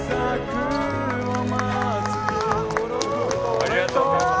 ありがとうございます。